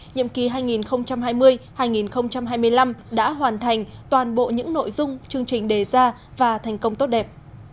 nhiệm kỳ hai nghìn hai mươi hai nghìn hai mươi năm đã hoàn thành toàn bộ những nội dung chương trình đề ra và thành công tốt đẹp